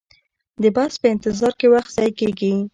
د بس په انتظار کې وخت ضایع کیږي